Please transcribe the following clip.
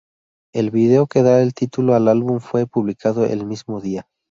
El vídeo que da el título al álbum fue publicado el mismo día.